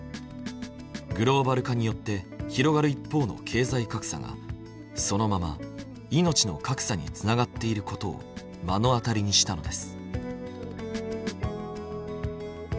グローバル化によって広がる一方の経済格差がそのまま命の格差につながっていることを目の当たりにしたのです。